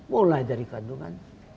mulai dari kandungan